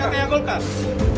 gak ada yang kasi banget